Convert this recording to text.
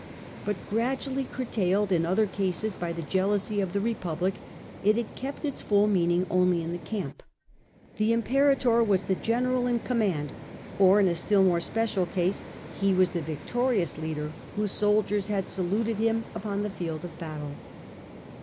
But, gradually curtailed in other cases by the jealousy of the republic, it had kept its full meaning only in the camp ; the imperator was the general in command, or, in a still more special case, he was the victorious leader whose soldiers had saluted him upon the field of battle.